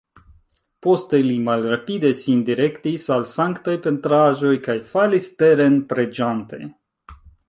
Poste li malrapide sin direktis al sanktaj pentraĵoj kaj falis teren, preĝante.